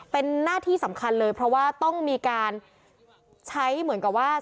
เป็นหน้าที่สำคัญเลยเพราะว่าต้องมีการใช้เหมือนกับว่า